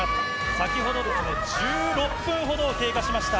先ほど、１６分ほど経過いたしました。